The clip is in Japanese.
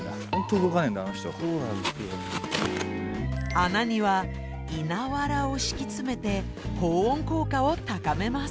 穴には稲藁を敷き詰めて保温効果を高めます。